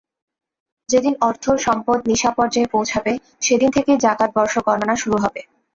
যেদিন অর্থ-সম্পদ নিসাব পর্যায়ে পৌঁছাবে, সেদিন থেকেই জাকাত বর্ষ গণনা শুরু হবে।